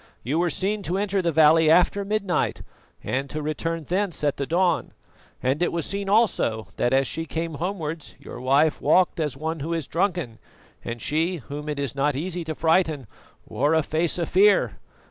You were seen to enter the valley after midnight and to return thence at the dawn, and it was seen also that as she came homewards your wife walked as one who is drunken, and she, whom it is not easy to frighten, wore a face of fear.